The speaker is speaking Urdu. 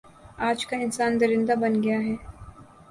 آج کا انسان درندہ بن گیا ہے